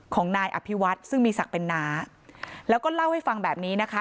ของนายอภิวัฒน์ซึ่งมีศักดิ์เป็นน้าแล้วก็เล่าให้ฟังแบบนี้นะคะ